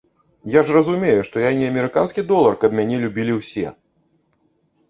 Я ж разумею, што я не амерыканскі долар, каб мяне любілі ўсе!